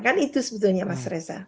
kan itu sebetulnya mas reza